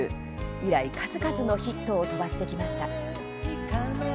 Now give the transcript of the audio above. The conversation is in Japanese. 以来、数々のヒットを飛ばしてきました。